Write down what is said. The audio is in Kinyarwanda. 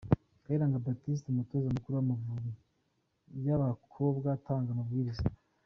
Kayiranga Baptiste umutoza mukuru w'Amavubi y'abakobwa atanga amabwiriza .